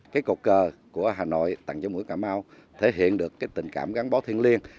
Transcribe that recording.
cái cột cờ của hà nội tặng cho mũi cà mau thể hiện được tình cảm gắn bó thiên liêng